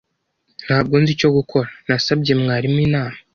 Ntabwo nzi icyo gukora, nasabye mwarimu inama.